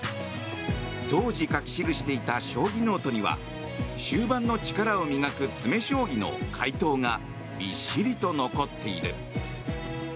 当時、書き記していた将棋ノートには終盤の力を磨く詰将棋の解答がびっしりと残っている。